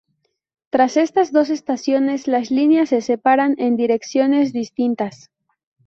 Tras estas dos estaciones, las líneas se separan en direcciones distintas.